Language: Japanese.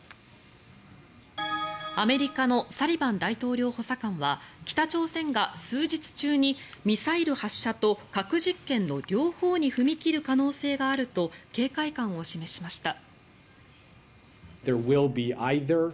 アメリカのサリバン大統領補佐官は北朝鮮が数日中にミサイル発射と核実験の両方に踏み切る可能性があると警戒感を示しました。